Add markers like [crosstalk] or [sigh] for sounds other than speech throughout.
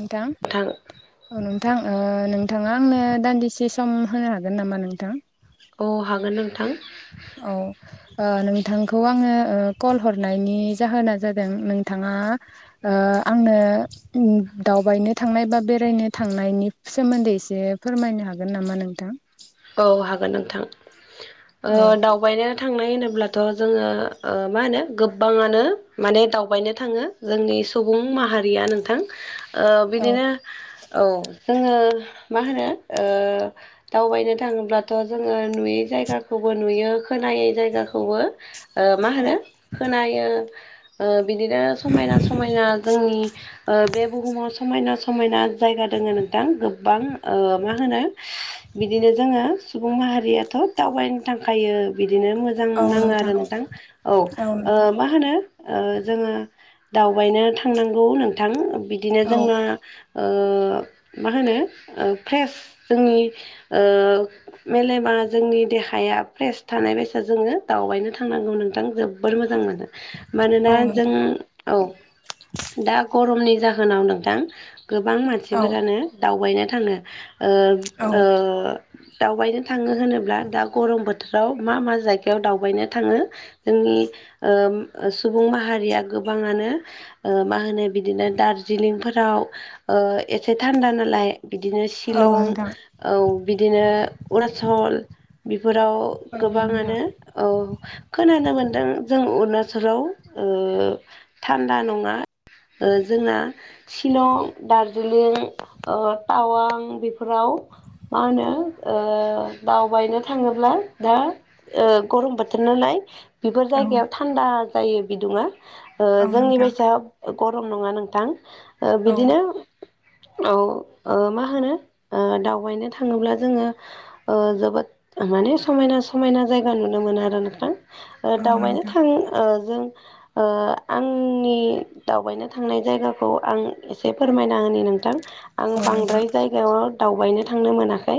नोंथां नोंथां औ नोंथां नोंथाङा आंनो दान्दिसे सम होनो हागोन नामा नोंथां अ हागोन नोंथां औ नोंथांखौ आङो कल हरनायनि जाहोना जादों नोंथाङा ओ आंनो दावबायनो थांनाय बा बेरायनो थांनायनि सोमोन्दै एसे फोरमायनो हागोन नामा नोंथां औ हागोन नोंथां औ दावबायनो थांनाय होनोब्लाथ' जोङो मा होनो गोबाङानो माने दावबायनो थाङो जोंनि सुबुं माहारिया नोंथां। ओ औ बिदिनो औ जोङो मा होनो ओ दावबायनो थाङोब्लाथ' जोङो नुयै जायगाखौबो नुयो खोनायै जायगाखौबो ओ मा औ होनो खोनायो बिदिनो समायना समायना जोंनि ओ बे बुहुमाव समायना समायना जायगा दङ नोंथां गोबां मा होनो बिदिनो जोङो सुबुं माहारियाथ' दावबायनो थांखायो बिदिनो मोजां। मोजां नाङो आरो नोंथां औ ओ मा होनो जोङो दावबायनो थांनांगौ नोंथां बिदिनो औ जोंना ओ मा होनो फ्रेस जोंनि मेलेमा जोंनि देहाया फ्रेस थानाय बायसा जोङो दावबायनो थांनांगौ नोंथां जो जोबोर मोजां मोनो औ मानोना जों। नोंथां औ दा गरमनि जाहोनाव नोंथां गोबां औ मानसिफोरानो दावबायनो थाङो ओ औ ओ दावबायनो थाङो होनोब्ला दा गरम बोथोराव मा मा जायगायाव दावबायनो थाङो जोंनि सुबुं माहारिया गोबाङानो ओ मा होनो बिदिनो दार्जिलिंफोराव एसे थान्दा नालाय बिदिनो औ शिलं नोंथां औ बिदिनो अरुनाचल बेफोराव। औ नोंथां गोबाङानो खोनानो मोनदों जों अरुणाचलाव थान्दा नङा ओ जोंना शिलं दार्जिलिं टावां ओ बेफोराव मा होनो दावबायनो थाङोब्ला दा। ओ गरम बोथोर नालाय बेफोर औ जायगायाव थान्दा जायो बिदुङा औ जोंनि नोंथां बायसा। गरम नङा नोंथां औ बिदिनो औ मा होनो दावबायनो थाङोब्ला जोङो जोबोद माने समायना समायना जायगा नुनो मोनो आरो नोंथां दावबायनो नोंथां थां जों आंनि आंनि दावबायनो थांनाय जायगाखौ आं एसे फोरमायना होनि नोंथां। आं औ नोंथां बांद्राय जायगायाव दावबायनो थांनो मोनाखै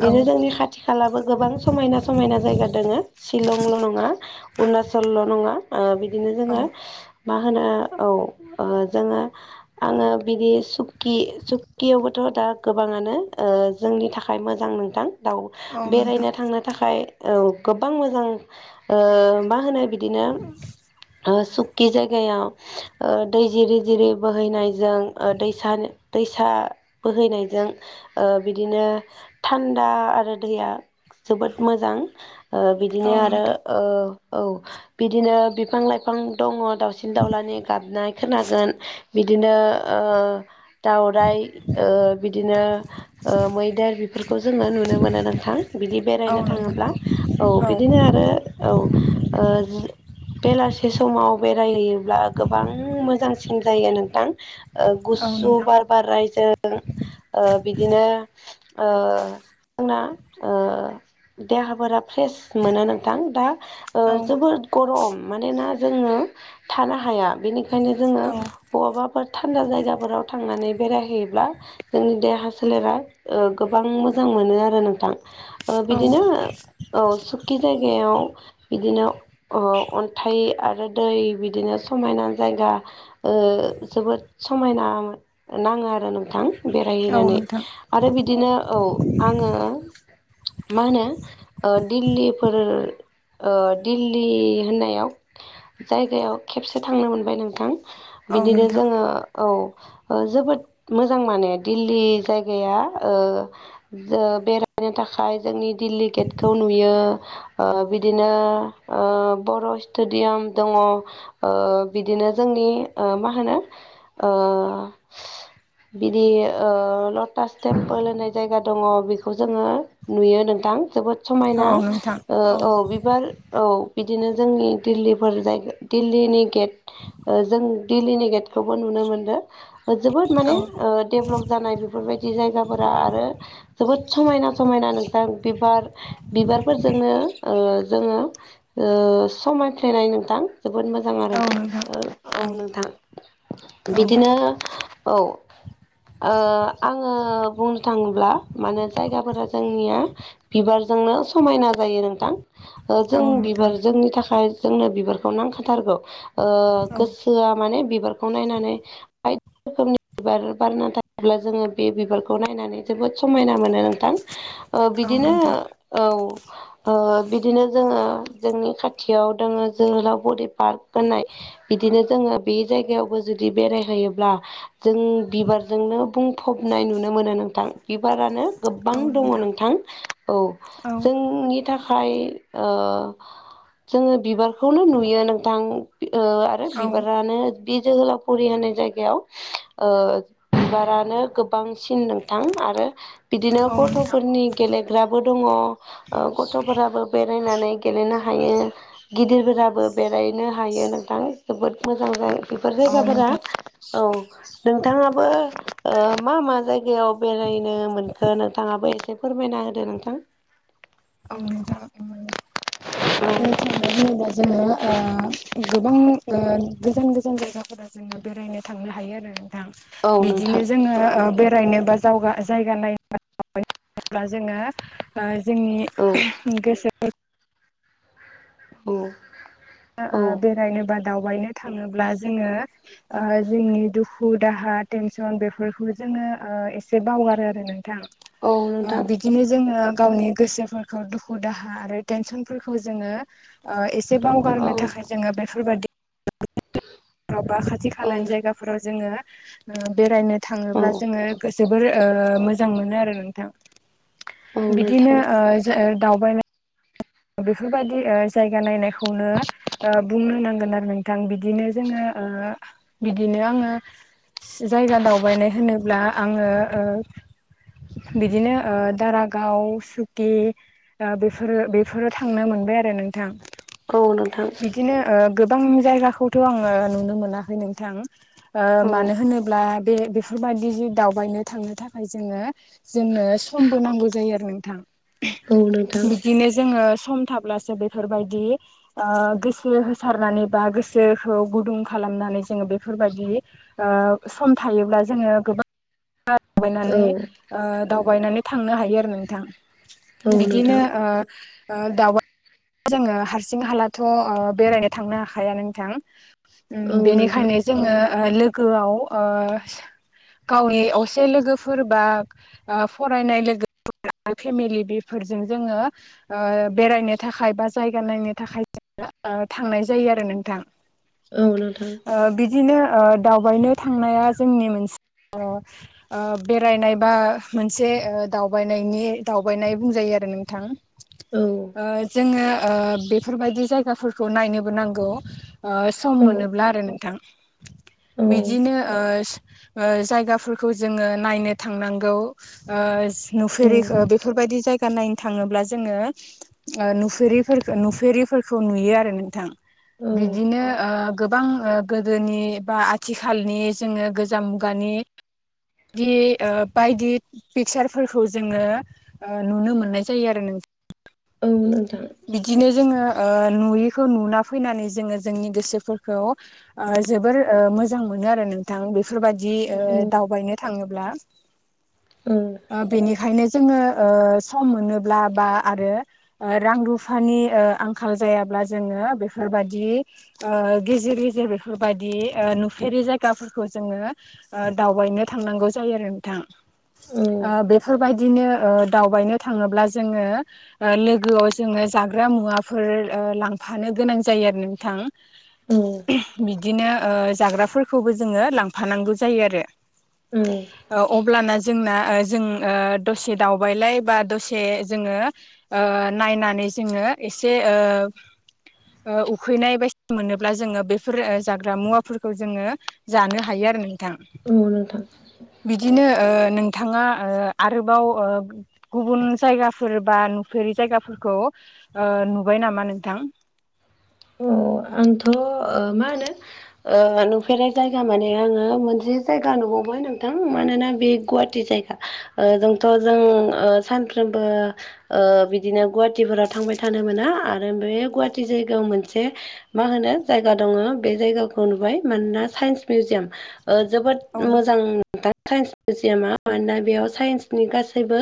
औ औ जोंनि खा थि खालाबो गोबां समायना समायना जायगा दङो शिलंल' नङा। अरुणचलल' नङा बिदिनो जोङो मा होनो औ ओ जोङो आङो बिदि सुक्कि सुक्कियावबोथ' दा गोबाङानो। ओ जोंनि थाखाय मोजां नोंथां दाउ औ नोंथां बेरायनो थांनो थाखाय औ गोबां मोजां मा होनो बिदिनो सुकि जायगायाव ओ दै जिरि जिरि बोहैनायजों ओ दैनि दैसा बोहैनायजों ओ बिदिनो थान्दा आरो दैया जोबोद मोजां ओ बिदिनो औ आरो नोंथां औ बिदिनो बिफां लाइफां दङ। दावसिन दाउलानि गाबनाय खोनागोन बिदिनो। दाउराय ओ बिदिनो ओ मैदेर बेफोरखौ जोङो नुनो मोनो नोंथां बिदि औ बेरायनो नोंथां थाङोब्ला औ बिदिनो। आरो औ बेलासि समाव बेरायहैयोब्ला गोबां मोजांसिन जायो नोंथां ओ औ गुसु नोंथां बार बारनायजों ओ बिदिनो ओ जोंना ओ देहाफोरा फ्रेस मोनो नोंथां दा औ जोबोद गरम मानोना जोङो थानो हाया बेनिखायनो जोङो। औ बहाबाफोर थान्दा जायगाफोराव थांनानै बेरायहैयोब्ला जोंनि देहा। सोलेरा गोबां मोजां मोनो आरो नोंथां औ बिदिनो औ सुखि जायगायाव बिदिनो अन्थाइ आरो दै बिदिनो समायना जायगा जोबोद समायना नाङो आरो नोंथां औ बेरायहैनानै नोंथां आरो बिदिनो औ आङो मा होनो दिल्लीफोर ओ दिल्ली होननायाव जायगायाव खेबसे थांनो मोनबाय नोंथां औ बिदिनो नोंथां जोङो औ जोबोद मोजां माने दिल्ली जायगा गैया बेरायनो थाखाय जोंनि दिल्ली गेटखौ नुयो ओ बिदिनो बर' स्टेडियाम दङ बिदिनो जोंनि मा होनो बिदि ओ लथ लटास टेम्पोल होननाय जायगा दङ बेखौ जोङो नुयो नोंथां जोबोद औ समायना नोंथां ओ औ बिबार औ बिदिनो जोंनि दिल्लीफोर जायगा दिल्लीनि गेट जों दिललिनि गेटखौबो नुनो मोनदों जोबोद माने औ देभेलप जानाय बेफोरबायदि बिदि जायगाफोरा आरो जोबोद समायना समायना नोंथां बिबार बिबारफोरजोंनो ओ जोङो ओ समायफ्लेनाय नोंथां जोबोद मोजां आरो औ नोंथां औ नोंथां औ बिदिनो औ आङो बुंनो थाङोब्ला माने जायगाफोरा जोंनिया बिबारजोंनो समायना जायो नोंथां ओ जों औ बिबार नोंथां जोंनि थाखाय जोंनो बिबारखौ नांखाथारगौ ओ औ गोसो गोहोय माने बिबारखौ नायनानै बायदि रोखोमनि बिबार बारना थायोब्ला जोङो बे बिबारखौ नायनानै जोबोद समायना मोनो नोंथां औ बिदिनो नोंथां औ बिदिनो जोङो जोंनि खाथियाव दङो जोहोलाव फुरि पार्क होननाय बिदिनो जोङो बे जायगायावबो जुदि बेरायहैयोब्ला जों बिबारजोंनो बुं फबनाय नुनो मोनो नोंथां बिबारानो गोबां औ नोंथां औ दङ नोंथां औ जोंनि नि थाखाय ओ जोङो बिबारखौनो नुयो नोंथां ओ आरो बिबारानो बि जोहोलावफुरि होननाय जायगायाव ओ बिबारानो गोबांसिन नोंथां आरो बिदिनो औ नोंथां औ नोंथां गथ'फोरनि गेलेग्राबो दङ गथ'फोराबो बेरायनानै गेलेनो हायो गिदिरफोराबो बेरायनो हायो नोंथां जोबोद मोजां जायो बेफोर जायगाफोरा औ नोंथाङाबो ओ मा मा जायगा याव बेरायनो मोनखो नोंथाङाबो एसे फोरमायना होदो नोंथां औ नोंथां थांनाय होनोब्ला जोङो ओ गोबां ओ गोजान गोजान जायगाफोरा जो बेरायनो थांनो हायो आरो दा बिदिनो जोङो बेरायनोबा दावगा जायगा नायब्ला जोङो जोंनि औ गोसोफोर औ ओ औ ओ औ बेरायनोबा दावबायनो थाङोब्ला जोङो ओ जोंनि दुखु दाहा टेनसन बेफोरखौ जोङो ओ एसे बावगारो आरो नोंथां आ औ बि नोंथां बिदिनो जोङो गावनि गोसोफोरखौ दुखु दाहा आरो टेनसनफोरखौ जोङो ओ एसे औ बावगारनो थाखाय जोङो बेफोरबायदि बा खाथि औ खालानि जायगाफोराव जोङो बेरायनो औ थाङोब्ला जोङो जोबोर ओ मोजां मोनो आरो नोंथां औ बिदिनो नोंथां ओ दावबायनाय बेफोरबायदि ओ जायगा नायनायखौनो ओ बुंनो नांगोन आरो नोंथां बिदिनो जोङो बिदिनो आङो जायगा दावबायनाय होनोब्ला आङो ओ बिदिनो ओ दारागाव सुकि ओ बेफोरो बे बेफोराव थांनो मोनबाय आरो नोंथां औ नोंथां बिदिनो ओ गोबां जायगाखौथ' आङो नुनो मोनाखै नोंथां औ मानो होनोब्ला बे बेफोरबायदि दावबायनो थांनो थाखाय जोङो जोंनो समबो नांगौ जायो आरो नोंथां। औ नोंथां बिदिनो जोङो सम थाब्लासो बेफोरबायदि ओ गोसो होसारनानै बा गोसोखौ गुदुं खालामनानै जोङो बेफोरबायदि ओ सम थायोब्ला जोङो गोबां औ दावबायनानै ओ दावबायनानै थांनो हायो आरो नोंथां औ बिदिनो नोंथां ओ दावबाय जोङो हारसिं हालाथ' ओ बेरायनो थांनो हाखाया नोंथां औ नोंथां बेनिखायनो जोङो लोगोआव गावनि ससे लोगोफोर बा फरायनाय लोगोफोरा फेमिलि बेफोरजों जोङो बेरायनो थाखाय बा जायगा नायनो थाखाय थांनाय जायो आरो नोंथां औ नोंथां बिदिनो दावबायनो थांनाया जोंनि मोनसे बेरायनाय बा मोनसे दावबायनायनि दावबायनाय बुंजायो आरो नोंथां औ जोङो बेफोरबायदि जायगाफोरखौ नायनोबो नांगौ सम औ मोनोब्ला आरो नोंथां औ बिदिनो जायगाफोरखौ जोङो नायनो थांनांगौ औ नुफेरिखौ नोंथां बेफोरबायदि जायगा नायनो थाङोब्ला जोङो नुफेरि नुफेरिफोरखौ नुयो आरो नोंथां औ बिदिनो गोबां गोदोनि बा आथिखालनि जोङो गोजाम मुगानि दि बायदि पिकसारफोरखौ जोङो नुनो मोननाय जायो आरो नोंथां औ नोंथां बिदिनो जोङो नुयैखौ नुना फैनानै जोङो जोंनि गोसोफोरखौ जोबोर मोजां मोनो आरो नोंथां बेफोरबायदि दावबायनो थाङोब्ला [inaudible] बेनिखायनो जोङो सम मोनोब्ला बा आरो रां रुफानि आंखाल जायाब्ला जोङो बेफोरबादि गेजेर गेजेर बेफोरबायदि नुफेरि जायगाफोरखौ जोङो दावबायनो थांनांगौ जायो आरो नोंथां औ बेफोरबायदि बिदिनो दावबायनो थाङोब्ला जोङो लोगोआव जोङो जाग्रा मुवाफोर लांफानो गोनां जायो आरो नोंथां औ बिदिनो जाग्राफोरखौबो जोङो लांफानांगौ जायो आरो औ अब्लाना जोंना जों दसे दावबायलाय बा दसे जोङो नायनानै जोङो एसे उखैनाय बायदिना मोनोब्ला जोङो बेफोर जाग्रा मुवाफोरखौ जोङो जानो हायो आरो नोंथां औ नोंथां बिदिनो नोंथाङा आरोबाव गुबुन जायगाफोर बा नुफेरि जायगाफोरखौ नुबाय नामा नोंथां आंथ' मा होनो नुफेरनाय जायगा माने आङो मोनसे जायगा नुबावबाय नोंथां मानोना बे गुवाट जायगा जोंथ' जों सानफ्रोमबो बिदिनो गुवाहाटिफोराव थांबाय थानो मोना आरो बे गुवाहाटि जायगायाव मोनसे मा होनो जायगा दङ बे जायगाखौ नुबाय मानोना साइन्स मिउजियाम जोबोद औ नोंथां मोजांथां साइन्स मिउजियामा मानोना बेयाव साइन्सनि गासैबो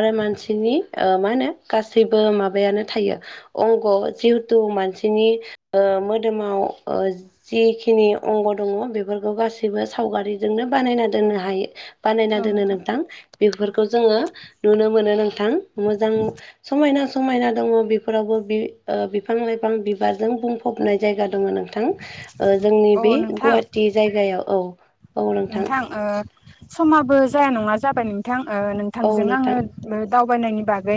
आरो मानसिनि मा होनो गासैबो माबायानो थायो अंग जिहेथु मानसिनि मोदोमाव जिखिनि अंग दङ बेफोरखौ गाससिबो सावगारिजोंनो बानायना दोननो हायो बानायना दोनो नोंथां बेफोरखौ जोङो नुनो मोनो नोंथां मोजां समायना समायना दङ बेफोरावबो बिफां लाइफां बिबाजोंर बुंफबनाय जायगा दङ नोंथां जोंनि औ बे नोंथां गुवाटि जायगायाव औ नोंथां समाबो जाया नङा जाबाय नोंथां औ नोंथांजों नोंथां आङो दावबायनायनि बागै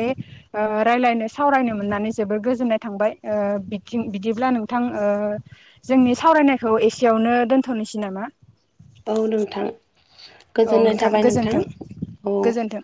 रायज्लायनो सावरायनो मोननानै जोबोर गोजोननाय थांबाय बिथिं बिदिब्ला नोंथां जोंनि सावरायनायखौ एसेयावनो दोनथ'नोसै नामा औ नोंथां औ गोजोननाय थाबाय नोंथां गोजोन्थों औ गोजोन्थों